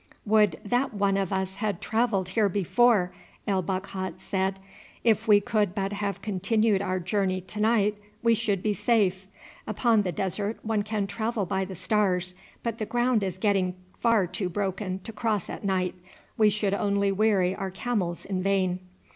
"Would that one of us had travelled here before!" El Bakhat said. "If we could but have continued our journey to night we should be safe. Upon the desert one can travel by the stars, but the ground is getting far too broken to cross at night; we should only weary our camels in vain."